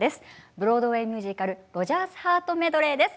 ブロードウェイミュージカル「ロジャース／ハートメドレー」です。